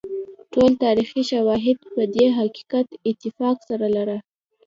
ټول تاریخي شواهد پر دې حقیقت اتفاق سره لري.